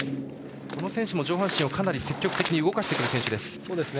この選手も上半身をかなり積極的に動かす選手。